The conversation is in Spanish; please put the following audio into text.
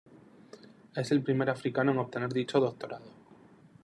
Es el primer africano en obtener dicho doctorado.